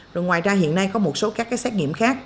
rồi ngoài ra hiện nay có một số các cái xét nghiệm khác